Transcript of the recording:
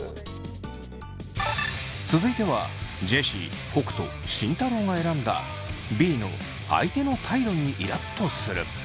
続いてはジェシー北斗慎太郎が選んだＢの「相手の態度にイラっとする」。